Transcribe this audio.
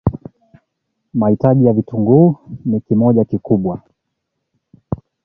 mahitaji ya vitunguu ni kimoja kikubwa